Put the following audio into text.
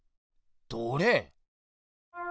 どれ？